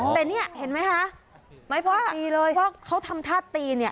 แต่นี่เห็นไหมฮะเพราะเขาทำท่าตีเนี่ย